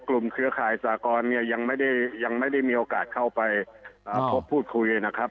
กลุ่มเครือข่ายสากรเนี่ยยังไม่ได้มีโอกาสเข้าไปพูดคุยนะครับ